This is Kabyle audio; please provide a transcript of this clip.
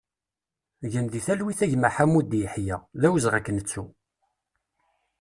Gen di talwit a gma Ḥamudi Yeḥya, d awezɣi ad k-nettu!